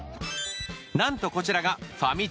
なんとこちらが。